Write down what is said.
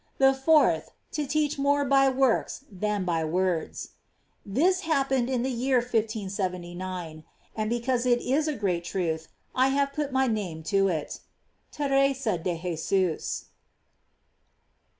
The fourth, to teach more by works than by words. This happened in the year 1579 ; and because it is a great truth, I have put my name to it. Tekesa de Jesus.